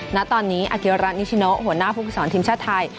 ณตอนนี้อาเกียราชนิชโนเฮจโค้หัวหน้าภูมิสรรค์ทีมชาติไทย